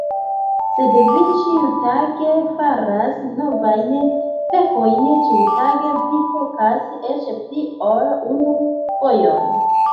Sed vi ĉiutage faras novajn pekojn, ĉiutage vi pekas eĉ pli ol unu fojon!